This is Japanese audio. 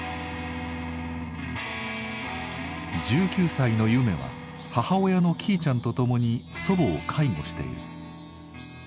１９歳のゆめは母親のきいちゃんと共に祖母を介護している。